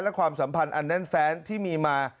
และความสัมพันธ์อันแน่นแฟนที่มีมา